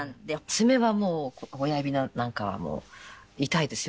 爪はもう親指なんかは痛いですよ